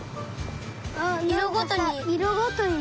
あっいろごとに。